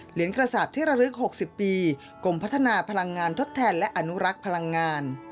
กระสาปที่ระลึก๖๐ปีกรมพัฒนาพลังงานทดแทนและอนุรักษ์พลังงาน